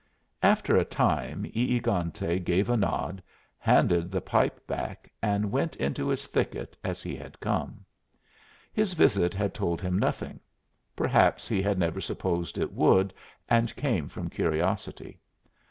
After a time E egante gave a nod, handed the pipe back, and went into his thicket as he had come. His visit had told him nothing; perhaps he had never supposed it would, and came from curiosity.